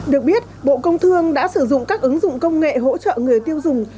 được biết bộ công thương đã sử dụng các ứng dụng công nghệ hỗ trợ người tiêu dùng